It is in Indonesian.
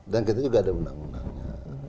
dan kita juga ada undang undangnya